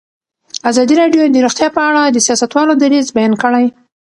ازادي راډیو د روغتیا په اړه د سیاستوالو دریځ بیان کړی.